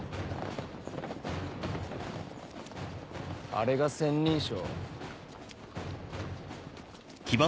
あれが千人将？